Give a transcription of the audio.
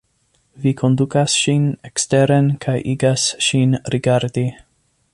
Vi kondukas ŝin eksteren kaj igas ŝin rigardi.